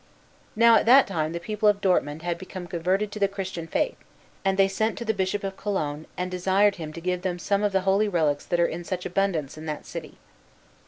Now at that time the people of Dortmund had become converted to the Christian faith; and they sent to the Bishop of Cologne, and desired him to give them some of the holy relics that are in such abundance in that city.